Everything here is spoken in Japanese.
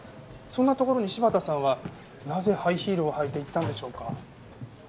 そんなところに柴田さんはなぜハイヒールを履いて行ったんでしょうか？